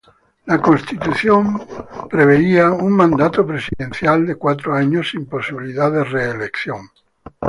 La Constitución preveía un mandato presidencial de cuatro años, sin posibilidad de reelección.